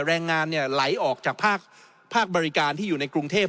แรงงานไหลออกจากภาคบริการที่อยู่ในกรุงเทพ